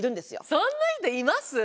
そんな人います？